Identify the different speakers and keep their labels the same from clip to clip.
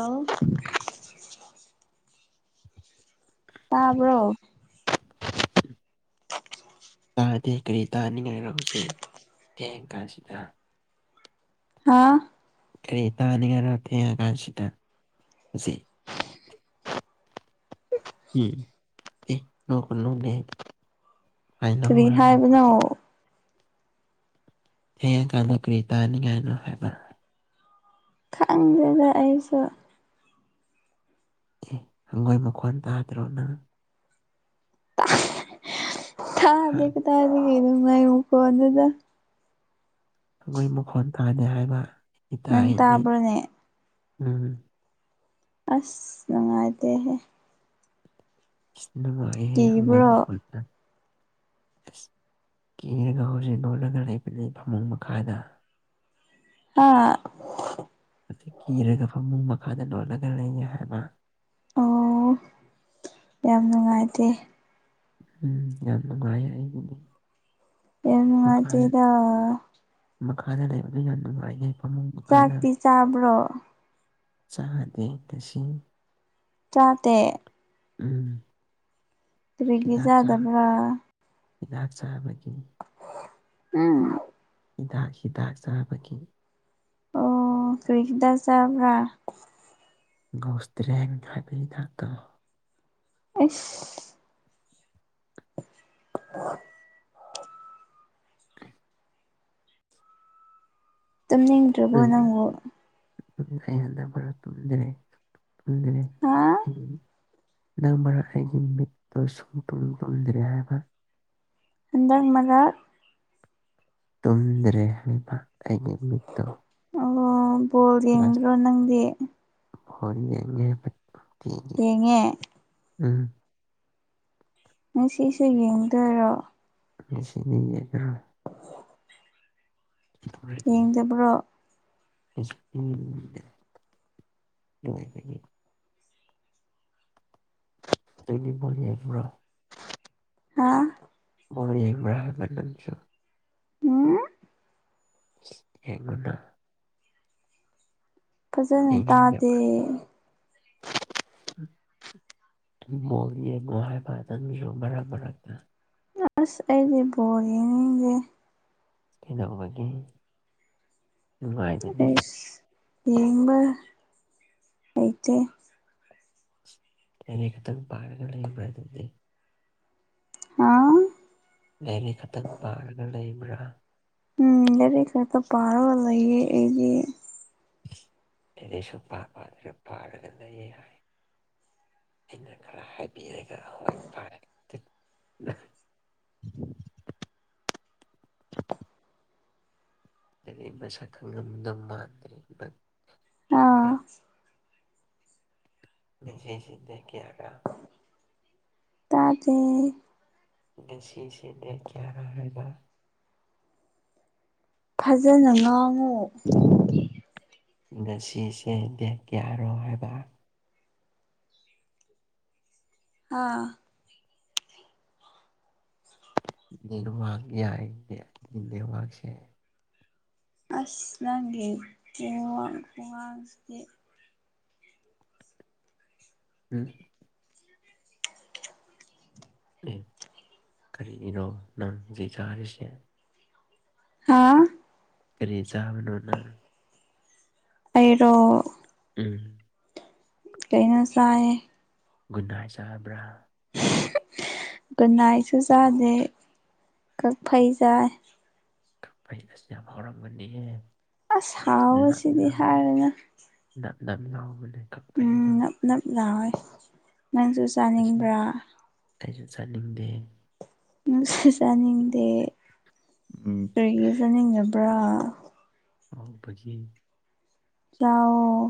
Speaker 1: ꯑꯥꯎ ꯇꯕ꯭ꯔꯣ [inaudible]
Speaker 2: ꯇꯥꯗꯦ ꯀꯔꯤ ꯇꯥꯅꯤꯡꯉꯥꯏ ꯂꯧꯁꯤꯦ ꯊꯦꯡ ꯀꯥꯟꯁꯤꯗ
Speaker 1: ꯍꯥꯥ
Speaker 2: ꯀꯩ ꯇꯥꯅꯤꯉꯅ ꯊꯦ ꯀꯥꯟꯁꯤꯗ ꯎꯝ ꯑꯦ ꯅ ꯀꯅꯣꯅꯦ ꯀꯥꯏꯗ
Speaker 1: ꯀꯔꯤ
Speaker 2: ꯃꯣꯔꯔ
Speaker 1: ꯍꯥꯏꯕꯅꯣ
Speaker 2: ꯃꯄꯥꯀꯤꯤ ꯑꯦ ꯀꯂ ꯈꯔꯤꯗꯥꯅꯤ ꯏꯅ ꯍꯥꯏꯕ
Speaker 1: ꯈꯪꯗꯗ ꯑꯩꯁꯨ
Speaker 2: ꯑꯦ ꯍꯪꯒꯣꯏ ꯃꯈꯣꯟ ꯇꯥꯗ꯭ꯔꯣ ꯅꯪ ꯍꯥ
Speaker 1: ꯊꯥꯗ ꯀ ꯊꯥꯗ ꯀ ꯑꯗꯨ ꯃꯥꯏ ꯀꯗꯗ
Speaker 2: ꯑꯩꯣꯏ ꯃꯈꯣꯟ ꯇꯥꯅꯦ ꯍꯥꯏꯕ
Speaker 1: ꯅꯪ
Speaker 2: ꯇꯥꯏꯅꯦ
Speaker 1: ꯇꯥꯕ꯭ꯔꯣꯅꯦ
Speaker 2: ꯎꯝ
Speaker 1: ꯑꯁ ꯅꯨꯡꯉꯥꯏꯗꯍ
Speaker 2: ꯑꯁ ꯅꯨꯡꯉꯥꯏꯍꯦ ꯍꯪꯒꯣꯏ
Speaker 1: ꯀꯤꯕ꯭ꯔꯣ
Speaker 2: ꯃꯈꯣꯜꯁ ꯀꯤꯔꯒ ꯍꯧꯖꯤꯛ ꯂꯣꯜꯂꯒ ꯂꯩꯕꯅꯤ ꯐꯃꯨꯡ ꯃꯈꯥꯗ
Speaker 1: ꯑꯥ
Speaker 2: ꯀꯤꯔꯒ ꯐꯃꯨꯡ ꯃꯈꯥꯗ ꯂꯣꯜꯂꯒ ꯂꯩꯌꯦ ꯍꯥꯏꯅ
Speaker 1: ꯑꯣ ꯌꯥꯝ ꯅꯨꯡꯉꯥꯏꯇꯦ
Speaker 2: ꯎꯝ ꯌꯥꯝ ꯅꯨꯡꯉꯥꯏꯌꯦ ꯑꯩꯒꯤꯗꯤ
Speaker 1: ꯑꯦ ꯅꯨꯅꯨꯡꯉ
Speaker 2: ꯃꯈꯥꯗ
Speaker 1: ꯆꯗ
Speaker 2: ꯃꯈꯥꯗ ꯂꯩꯕꯗꯨ ꯌꯥꯝ ꯅꯨꯡꯉꯥꯏꯖꯩ
Speaker 1: ꯆꯥꯛꯇꯤ ꯆꯥꯕ꯭ꯔꯣ
Speaker 2: ꯁꯥꯍꯗ ꯇꯁ
Speaker 1: ꯆꯇ
Speaker 2: ꯎꯝ
Speaker 1: ꯄꯔꯒꯖꯗꯕ꯭ꯔꯥ
Speaker 2: ꯍꯤꯗꯛ ꯆꯥꯕꯒꯤ
Speaker 1: ꯎꯝ
Speaker 2: ꯍꯤꯗꯥꯛ ꯍꯤꯗꯥꯛ ꯆꯥꯕꯒꯤ
Speaker 1: ꯑꯣ ꯀꯔꯤꯗ ꯆꯕ꯭ꯔ
Speaker 2: ꯒꯣꯁꯇ꯭ꯔꯦ ꯍꯥꯏꯕꯅꯤꯗꯥꯛꯀꯣ
Speaker 1: ꯑꯁ [inaudible] ꯇꯝꯅꯤꯡꯗ꯭ꯔꯕꯣ ꯅꯪꯉꯣ
Speaker 2: ꯍꯗ ꯄꯨꯔꯥ ꯇꯨꯗ꯭ꯔꯦ ꯇꯨꯗ꯭ꯔꯦ
Speaker 1: ꯍꯥ
Speaker 2: ꯅꯪ ꯃꯔ ꯑꯩꯒꯤ ꯃꯤꯛꯇ ꯁꯨꯡꯇꯣꯡ ꯇꯣꯟꯗ꯭ꯔꯦ ꯍꯥꯏꯕ
Speaker 1: ꯍꯟꯗꯛ ꯑꯃꯒ
Speaker 2: ꯇꯨꯝꯗ꯭ꯔꯦ ꯍꯥꯏꯕ ꯑꯩꯒꯤ ꯃꯤꯠꯇꯣ
Speaker 1: ꯣꯜ ꯌꯦꯡꯗ꯭ꯔꯣ ꯅꯪꯗꯤ
Speaker 2: ꯍ ꯉ
Speaker 1: ꯌꯦꯉ
Speaker 2: ꯎꯝ
Speaker 1: ꯅ ꯁꯤꯁꯨ ꯌꯦꯡꯗꯣꯏꯔꯣ
Speaker 2: ꯃꯁꯤꯅꯤꯦꯗ꯭ꯔꯣ
Speaker 1: ꯌꯦꯡ ꯆ ꯄꯨ꯭ꯔꯣ
Speaker 2: ꯉ ꯇꯅꯤꯕ ꯍ꯭ꯔ
Speaker 1: ꯍꯥꯥ
Speaker 2: ꯃ ꯌꯦ ꯌꯥꯝ ꯭ꯔꯥꯍ ꯂ ꯂꯁꯨ
Speaker 1: ꯎꯝ
Speaker 2: ꯍꯦꯡꯒꯣꯟꯅ
Speaker 1: ꯐꯖꯅ ꯇꯥꯗꯦ
Speaker 2: ꯎꯝ ꯃꯣ ꯌꯦꯡꯅꯣ ꯍꯥꯏꯕ ꯑꯗꯨꯪꯁꯨ ꯃꯔꯛ ꯃꯔꯛꯇ
Speaker 1: ꯑꯁ ꯑꯩꯗꯤ ꯣꯜꯂꯤꯅꯤꯒ
Speaker 2: ꯀꯩꯗꯧꯕꯒꯤ ꯅꯨꯡꯉꯥꯏꯕꯅꯤ
Speaker 1: ꯑꯩꯁ ꯌꯦꯡꯕ ꯂꯩꯇꯦ
Speaker 2: ꯅꯅꯦ ꯀꯇꯅ ꯄꯥꯔꯒ ꯂꯩꯕꯗꯨꯗꯤ
Speaker 1: ꯑꯥ
Speaker 2: ꯂꯥꯏꯔꯤꯛ ꯈꯛꯇꯪ ꯄꯥꯔꯒ ꯂꯩꯕ꯭ꯔꯥ
Speaker 1: ꯎꯝ ꯂꯩꯔ ꯀꯛꯇ ꯄꯥꯔꯒ ꯂꯩꯌꯦ ꯑꯩꯗꯤ
Speaker 2: ꯑꯗꯤ ꯁꯨꯝ ꯄꯥꯕ ꯑꯗꯨꯅ ꯄꯥꯔꯒꯅꯌꯦ ꯍꯥꯏ ꯑꯩꯅ ꯈꯔ ꯍꯥꯏꯕꯤꯔꯒ ꯍꯋꯥꯣꯏ ꯐꯔꯦ [inaudible]
Speaker 1: [inaudible]
Speaker 2: ꯃꯁꯛꯈꯪꯝꯗ ꯃꯥꯟꯗ꯭ ꯀ
Speaker 1: ꯑꯥ
Speaker 2: ꯖꯤ ꯖꯤ ꯗ ꯀꯌꯥꯒ
Speaker 1: ꯇꯥꯗꯤ
Speaker 2: ꯁꯤꯁꯤꯦ ꯂꯩ ꯀꯌꯥꯔꯕ
Speaker 1: ꯐꯖꯅ ꯉꯥꯡꯉꯨ
Speaker 2: ꯑꯗ ꯁꯤꯁꯦ ꯗꯦ ꯀꯌꯥꯔꯣ ꯍꯥꯏꯕ
Speaker 1: ꯑꯥ
Speaker 2: ꯂꯩꯚ ꯌꯥꯒꯁꯦ
Speaker 1: ꯑꯁ ꯅꯪꯒꯤ ꯋꯥꯋꯥꯥꯡꯁꯤꯦ
Speaker 2: ꯎꯝ ꯑꯦ ꯀꯔꯤꯒꯤꯅꯣ ꯅꯪ ꯖꯤ ꯆꯥꯔꯤꯁꯦ
Speaker 1: ꯍꯥꯥ
Speaker 2: ꯀꯔꯤ ꯆꯥꯕꯅꯣꯅꯪ
Speaker 1: ꯑꯩꯔꯣ
Speaker 2: ꯎꯝ
Speaker 1: ꯀꯩꯅ ꯆꯥꯏ
Speaker 2: ꯒꯨꯟ ꯍꯥꯏ ꯆꯥꯕ꯭ꯔꯥ
Speaker 1: ꯒꯟꯅꯥꯏꯁꯨ ꯆꯥꯗꯦ ꯀꯛ ꯐꯩꯖꯥꯏ
Speaker 2: ꯁꯅ ꯌꯥꯝꯔꯪꯕꯅꯤ
Speaker 1: ꯑꯁ ꯍꯥꯎꯕꯁꯤꯗꯤ ꯍꯥꯏꯔꯅ
Speaker 2: ꯗꯝ ꯌꯥꯒ
Speaker 1: ꯎꯝꯞꯅꯞꯅꯣꯏ ꯅꯪꯁꯨ
Speaker 2: ꯑꯁ
Speaker 1: ꯆꯥꯅꯤꯡꯕ꯭ꯔꯥ
Speaker 2: ꯑꯩꯁꯨ ꯆꯠꯅꯤꯡꯗꯦ
Speaker 1: ꯆꯥꯅꯤꯡꯗꯦ
Speaker 2: ꯎꯝ
Speaker 1: ꯑꯩꯒꯤ ꯆꯅꯤꯡꯗ ꯄꯨꯕ꯭ꯔꯥ
Speaker 2: ꯑꯥꯎꯕꯒꯤ
Speaker 1: ꯌꯥꯑꯣ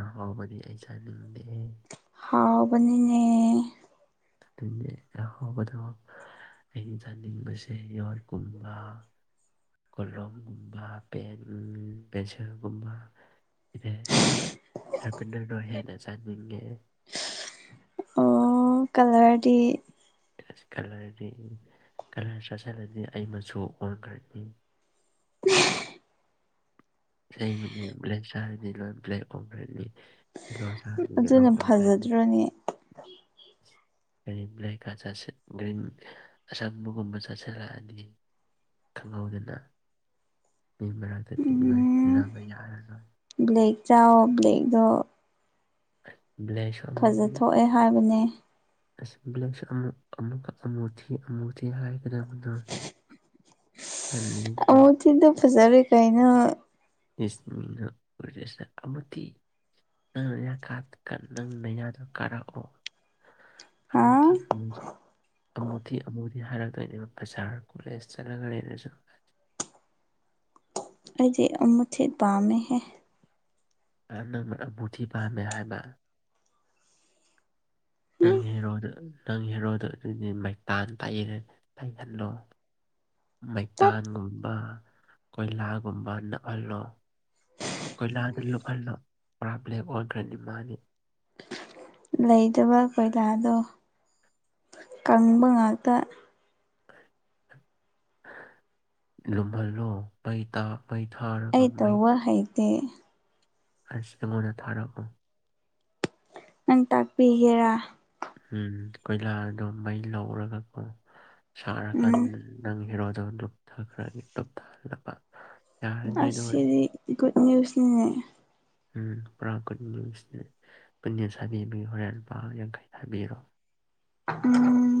Speaker 2: ꯑꯥꯎ ꯃꯗꯤ ꯑꯩ ꯆꯅꯤꯡꯗꯦ
Speaker 1: ꯍꯥꯎꯕꯅꯤꯅꯦ
Speaker 2: ꯍꯣꯕꯗꯣ ꯑꯩꯅ ꯆꯥꯅꯤꯡꯕꯁꯦ ꯌꯔ ꯀꯨꯝꯕ ꯀꯣꯂꯣꯝꯒꯨꯝꯕ ꯄꯦꯟ ꯃꯦꯁꯔꯒꯨꯝꯕ ꯏꯔ ꯆꯔꯄꯦꯟꯗꯔꯗꯣ ꯍꯦꯟꯅ ꯆꯥꯅꯤꯡꯉꯦ
Speaker 1: ꯑꯣ ꯀꯂꯋꯥꯗꯤ
Speaker 2: ꯀꯂꯔꯗꯤ ꯀꯂꯔ ꯆꯥꯁꯤꯜꯂꯗꯤ ꯑꯩ ꯃꯆꯨ ꯑꯣꯟꯈ꯭ꯔꯛꯅꯤ
Speaker 1: [inaudible]
Speaker 2: ꯂꯩꯕꯅꯦ ꯕ꯭ꯂꯦꯛ ꯆꯅꯤ ꯕ꯭ꯂꯦꯛ ꯑꯣꯅꯤ
Speaker 1: ꯑꯗꯨꯅ ꯐꯖꯗ꯭ꯔꯣꯅꯦ [inaudible]
Speaker 2: ꯒ꯭ꯔꯤꯟ ꯕ꯭ꯂꯦꯛꯀ ꯒ꯭ꯔꯤꯟ ꯑꯁꯪꯕꯒꯨꯝꯕ ꯆꯥꯁꯤꯜꯂꯛꯑꯅꯤ ꯈꯪꯍꯧꯗꯅ ꯃꯤ ꯃꯔꯛꯇꯕ ꯇꯤꯟꯅꯕ ꯌꯥꯔꯔꯣꯏ
Speaker 1: ꯕ꯭ꯂꯦꯛꯦꯛ ꯆ ꯕ꯭ꯂꯦꯛꯗ
Speaker 2: [inaudible]
Speaker 1: ꯈꯖ ꯊꯣꯛꯑꯦ ꯍꯥꯏꯕꯅꯦ
Speaker 2: ꯕ꯭ꯂꯦꯛꯁ ꯑꯃꯨꯛ ꯑꯃꯨꯛ ꯑꯃꯨ ꯊꯤ ꯑꯃꯨ ꯊꯤ ꯍꯥꯏ ꯔꯃꯗ ꯇꯂꯅꯣ
Speaker 1: ꯀꯔꯤꯅꯣ
Speaker 2: ꯃꯤꯅꯁ [unintelligible] ꯅꯪ ꯀꯥ ꯅꯪ ꯅꯌꯥꯗꯣ ꯀꯥꯔꯛꯑꯣ ꯨ [unintelligible]
Speaker 1: ꯍꯥ
Speaker 2: ꯑꯃꯨꯗꯤꯤ ꯑꯃꯨꯗꯤꯤ ꯍꯥꯏꯔꯗꯣꯏꯅꯤ ꯕꯖꯥꯔ ꯀꯣꯂꯦꯖ ꯆꯠꯂꯒ ꯂꯩꯦꯅꯁꯨ
Speaker 1: ꯑꯩꯗꯤ ꯃꯊꯦꯠ ꯄꯥꯝꯃꯦꯍꯦ
Speaker 2: ꯑꯅꯕꯨꯙꯤ ꯄꯃꯦ ꯍꯥꯏꯅ
Speaker 1: ꯎꯝ
Speaker 2: ꯅꯪ ꯍꯦꯔꯣꯗ ꯅꯪ ꯍꯦꯔꯣꯗ ꯑꯗꯨꯗꯤ ꯃꯩ ꯇꯥꯟ ꯇꯥꯛꯏ ꯇꯍꯜꯂꯣ
Speaker 1: ꯇꯠ
Speaker 2: ꯃꯩꯇꯥꯟꯒꯨꯝꯕ ꯀꯣꯏꯂꯥꯒꯨꯝꯕ ꯅꯛꯍꯜꯂꯣ ꯀꯣꯏꯂꯥ ꯑꯣꯗ꯭ꯔꯃꯅꯤ
Speaker 1: ꯂꯩꯇꯕ ꯀꯣꯏꯂꯥꯗꯣ ꯀꯪꯕ ꯉꯥꯛꯇ
Speaker 2: ꯂꯨꯝꯍꯜꯂꯣ ꯃꯩ ꯇꯥ ꯃꯩ ꯊꯥꯔꯒ
Speaker 1: ꯑꯩ ꯇꯧꯕ ꯍꯩꯇꯦ
Speaker 2: ꯑꯁꯤ ꯑꯩꯉꯣꯟꯗ ꯊꯥꯔꯛꯎ
Speaker 1: ꯅꯪ ꯇꯥꯛꯄꯤꯒꯦꯔꯥ
Speaker 2: ꯎ ꯀꯣꯏꯂꯥꯗꯣ ꯃꯩ ꯂꯧꯔꯒꯀꯣ
Speaker 1: ꯎꯝ
Speaker 2: ꯁꯥꯔꯀꯥꯟꯗ ꯅꯪ ꯍꯤꯔꯣ ꯔꯨꯞ ꯊ꯭ꯔꯨꯞ ꯊꯙ ꯄ [unintelligible]
Speaker 1: ꯑꯗꯤ ꯨꯗ ꯅ꯭ꯌꯨꯁꯅꯦ
Speaker 2: ꯎꯝ ꯄꯨꯔꯥ ꯒꯨꯗ ꯅ꯭ꯌꯨꯁꯅꯦ ꯄꯨꯟꯅ ꯁꯥꯕꯤꯕꯒꯤ ꯍꯣꯔꯦꯟ ꯅꯨꯄꯥ ꯌꯥꯡꯈꯩ ꯊꯥꯕꯤꯔꯣ
Speaker 1: ꯎꯝ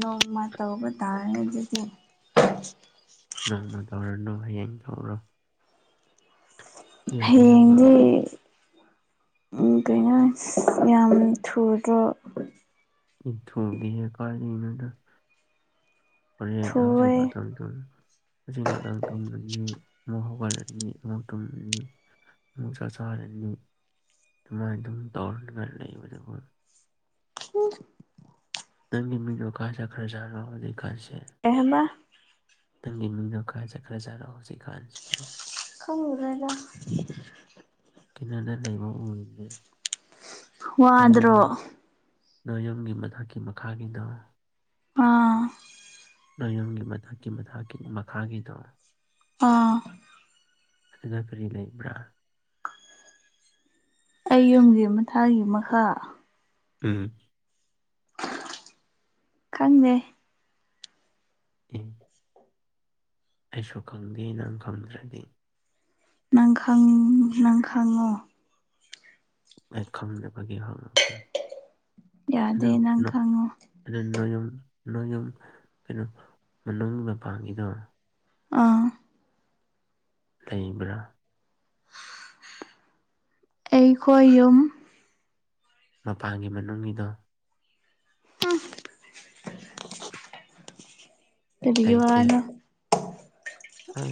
Speaker 1: ꯅꯣꯡꯃ ꯇꯧꯕ ꯇꯥꯔꯦ ꯑꯗꯨꯗꯤ
Speaker 2: ꯅꯪꯅ ꯇꯧꯔꯅ ꯍꯌꯦꯡ ꯇꯧꯔꯣ ꯑꯦ ꯑꯩ ꯌꯥꯝ
Speaker 1: ꯍꯌꯦꯡ ꯀꯩꯅꯩꯅꯣ ꯌꯥꯝ ꯊꯨꯨꯔꯣ
Speaker 2: ꯏ ꯊꯣꯗ ꯍꯥꯏ ꯀꯔ ꯂꯩꯅꯅ ꯅꯁ
Speaker 1: ꯊꯨꯋꯦ
Speaker 2: ꯉꯊ [unintelligible] ꯑꯁꯤ ꯑꯗꯥꯥꯡ ꯇꯨꯝꯃꯅꯤ ꯑꯃꯨꯛ ꯍꯧꯒꯠꯂꯅꯤ ꯑꯃꯨꯛ ꯇꯨꯝꯃꯅꯤ ꯆꯥ ꯆꯥꯔꯅꯤ ꯑꯗꯨꯃꯥꯏꯅ ꯑꯗꯨꯝ ꯇꯧꯔꯒ ꯂꯩꯕꯗꯨꯕꯨ
Speaker 1: ꯎꯝ
Speaker 2: ꯅꯪ ꯃꯤꯅꯣ ꯈꯥꯖ ꯈꯔꯆꯑꯣ ꯑꯗꯨ ꯈꯔꯁꯤ
Speaker 1: ꯀꯩ ꯍꯥꯏꯕꯥ
Speaker 2: ꯇꯪ ꯃꯤꯅꯣ ꯈꯥ ꯆꯀ꯭ꯔꯖꯥ ꯔꯣꯁꯤ ꯈꯥꯟ
Speaker 1: ꯈꯪꯗꯔ꯭ꯦꯗꯥ
Speaker 2: ꯀꯅꯗ ꯂꯩꯃ ꯎꯗ
Speaker 1: ꯋꯥꯗ꯭ꯔꯣ
Speaker 2: ꯅꯌꯨꯝꯒꯤ ꯃꯊꯛꯀꯤ ꯃꯈꯥꯒꯤꯗ
Speaker 1: ꯑꯥ
Speaker 2: ꯅꯌꯣꯟꯒꯤ ꯃꯊꯛꯀꯤ ꯃꯊꯛꯀꯤ ꯃꯈꯥꯒꯤꯗꯣ
Speaker 1: ꯑꯥ
Speaker 2: ꯑꯗꯨꯅ ꯀꯔꯤ ꯂꯩꯕ꯭ꯔꯥ
Speaker 1: ꯑꯩꯌꯨꯝꯒꯤ ꯃꯊꯥꯒꯤ ꯃꯈꯥ
Speaker 2: ꯎꯝ
Speaker 1: ꯈꯪꯗꯦ
Speaker 2: ꯎ ꯑꯦꯁꯨ ꯈꯪꯗꯦ ꯅꯪ ꯈꯝꯗ꯭ꯔꯦꯗꯤ
Speaker 1: ꯅꯪ ꯈꯪꯉꯣ
Speaker 2: ꯑꯦ ꯈꯝꯅꯦꯕꯒꯤ ꯍ
Speaker 1: ꯌꯥꯗꯦ ꯅꯪ ꯈꯪꯉꯣ
Speaker 2: ꯑꯗꯨ ꯅꫭꯏ ꯌꯨꯝ ꯀꯩꯅꯣ ꯃꯅꯨꯡꯒꯤ ꯃꯄꯒꯤꯗꯣ
Speaker 1: ꯑꯥ
Speaker 2: ꯂꯩꯕ꯭ꯔꯥ
Speaker 1: ꯑꯩꯈꯣꯏ ꯌꯨꯝ
Speaker 2: ꯃꯄꯥꯟꯒꯤ ꯃꯅꯨꯡꯒꯤꯗꯣ
Speaker 1: ꯀꯔꯤ ꯋꯥꯅꫭ
Speaker 2: ꯍꯥ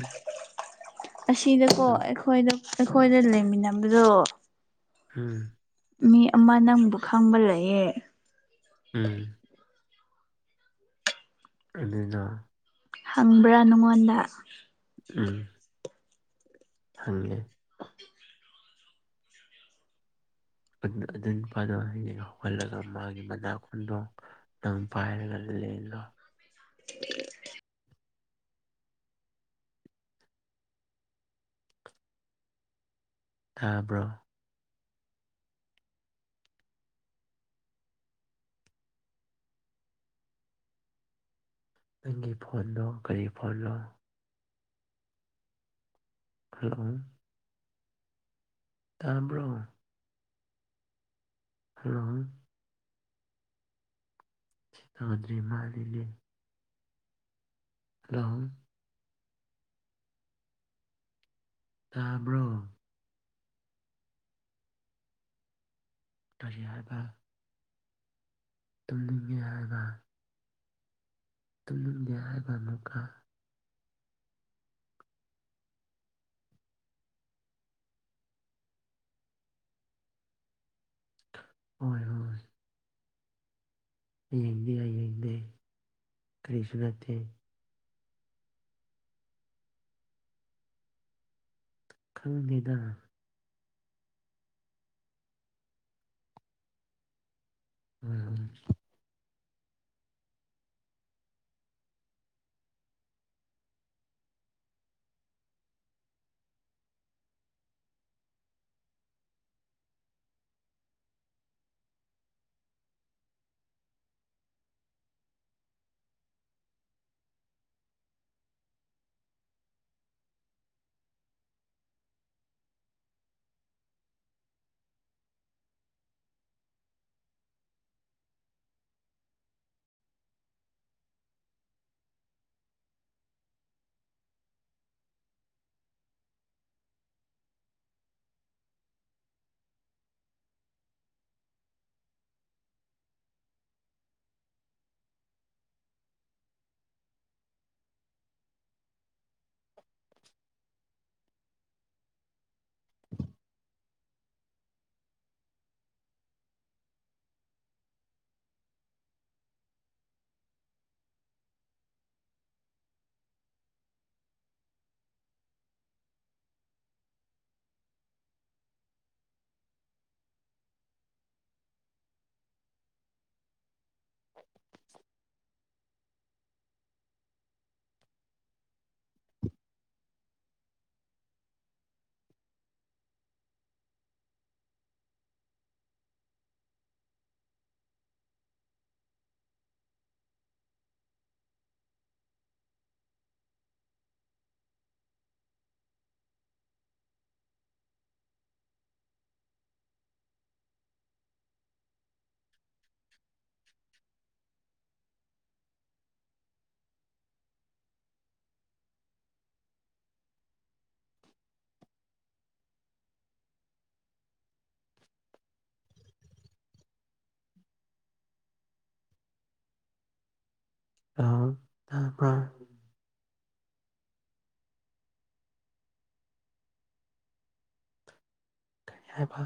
Speaker 1: ꯑꯁꯤꯗꯀꯣ ꯑꯩꯈꯣꯏꯗ ꯑꯩꯈꯣꯏꯗ ꯂꯩꯃꯤꯟꯅꯕꯗꯣ
Speaker 2: ꯎꯝ
Speaker 1: ꯃꯤ ꯑꯃ ꯅꯪꯕꯨ ꯈꯪꯕ ꯂꯩꯌꯦ
Speaker 2: ꯎꯝ ꯑꯗꯨꯅ
Speaker 1: ꯍꯪꯕ꯭ꯔꯥ ꯅꯉꯣꯟꯗ
Speaker 2: ꯎꯝ ꯍꯪꯒꯦ ꯑꯗꯨ ꯅꯨꯄꯥꯗꯣ ꯍꯌꯦꯡ ꯍꯧꯒꯜꯂꯒ ꯃꯥꯒꯤ ꯃꯅꯥꯀꯣꯟꯗꯣ ꯅꯪ ꯄꯥꯏꯔꯒ ꯂꯩꯂ ꯇꯥꯕ꯭ꯔꯣ ꯅꯪꯒꯤ ꯐꯣꯟꯗꯣ ꯀꯔꯤ ꯐꯣꯟꯅꯣ ꯍꯜꯂꫭ ꯇꯥꯝꯕ꯭ꯔꯣꯡ ꯍꯜꯂꯣ ꯆꯒꯗꯔꯤ ꯃꯥꯂꯤꯂꯤ ꯍꯥꯂꯣ ꯇꯥꯕ꯭ꯔꯣ ꯀꯔꯤ ꯍꯥꯏꯕ ꯇꯨꯝꯅꯤꯡꯉꯦ ꯍꯥꯏꯕ ꯇꯂꯟꯒ ꯍꯥꯏꯒꯅꯀ ꯍꯣꯏ ꯍꯣꯏ ꯌꯦꯗ ꯑ ꯌꯦꯡꯗ ꯀ꯭ꯔꯤꯁꯅꯇ ꯈꯪꯂꯗ ꯎꯝꯝ [inaudible] ꯑ ꯇꯔꯄ ꯀꯔꯤ ꯍꯥꯏꯕ